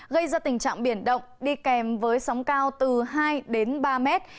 gây ra tình trạng biển động đi kèm với sóng cao từ hai đến ba mét